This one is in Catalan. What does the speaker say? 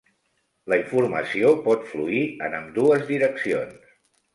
La informació pot fluir en ambdues direccions.